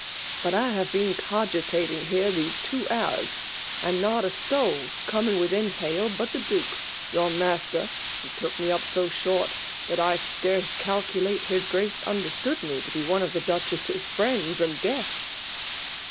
But I have been cfogitatingf kero these two hours, and not a soul coiAokig ^itiiin hail but the Duke, your maftt^, who took me up so short that I scarce oaldntete his Grace understood mc to bo oto ^f'ihe Duchesses friends and guests."